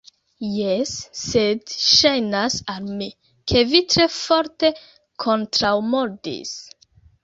Jes, sed ŝajnas al mi, ke vi tre forte kontraŭmordis.